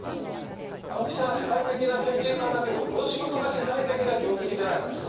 青木さんは世界的な建築家だけどこの仕事が世界的な業績じゃないですか。